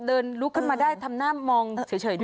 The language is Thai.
เดินลุกขึ้นมาได้ทำหน้ามองเฉยด้วย